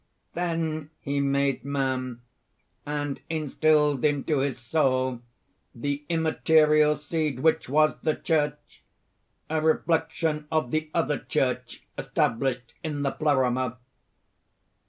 Then he made man, and instilled into his soul the immaterial Seed which was the Church a reflection of the other Church established in the Pleroma.